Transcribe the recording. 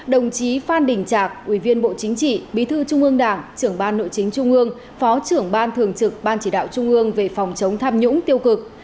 đồng chí phan đình trạc ủy viên bộ chính trị bí thư trung ương đảng trưởng ban nội chính trung ương phó trưởng ban thường trực ban chỉ đạo trung ương về phòng chống tham nhũng tiêu cực